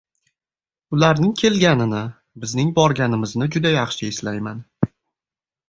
Ularning kelganini, bizning borganimizni juda yaxshi eslayman.